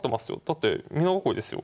だって美濃囲いですよ。